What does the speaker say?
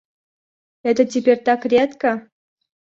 Это теперь так редко.